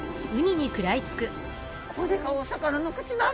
これがお魚の口なの？